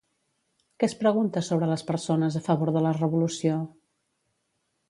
Què es pregunta sobre les persones a favor de la revolució?